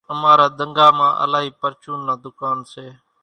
امارا ۮنڳا مان الائِي پرچونَ نا ۮُڪان سي۔